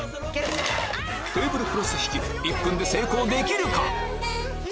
テーブルクロス引き１分で成功できるか？